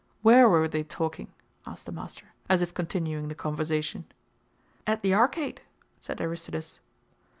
"Where were they talking?" asked the master, as if continuing the conversation. "At the Arcade," said Aristides.